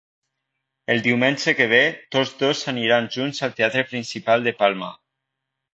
El diumenge que ve, tot dos aniran junts al Teatre Principal de Palma